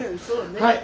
そうね。